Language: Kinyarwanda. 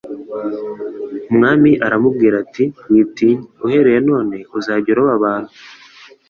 Umwami aramubwira ati "Witinya, uhereye none uzajya uroba abantu."